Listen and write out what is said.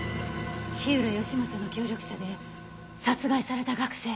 火浦義正の協力者で殺害された学生。